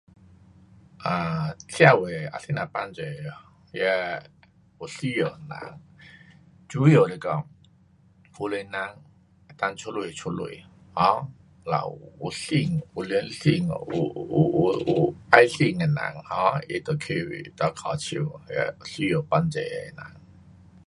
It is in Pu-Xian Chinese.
um 社会啊怎样帮助那有需要的人，主要来讲，有钱人能够出钱的出钱，um 了有心，有良心，有，有，有爱心的人 um 他就去得靠手，那有需要帮助的人。